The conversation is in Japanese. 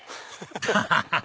ハハハハ！